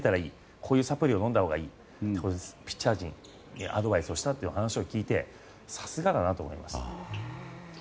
こういうサプリを飲んだほうがいいってピッチャー陣にアドバイスをしたという話を聞いてさすがだなと思いました。